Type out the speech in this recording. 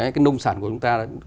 cái nông sản của chúng ta